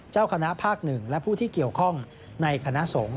เจ้าคณะภาค๑และผู้ที่เกี่ยวข้องในคณะสงฆ์